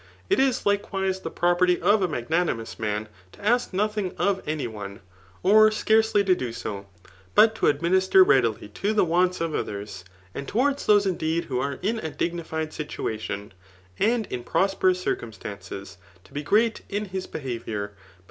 It is likewise the property of a magnanknous man to ask nothing of any one, or scarce* ly to do so, but to admimster readily to the iraat» ot others. . And towards those indeed who are in a'd^;tifisd rituation, and in prosperous circmnstaiK^s^ to be fltat ]^ his behaviour,] but.